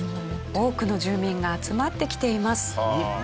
多くの住民が集まってきています。